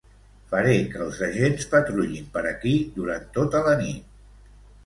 Faré que els Agents patrullin per aquí durant tota la nit.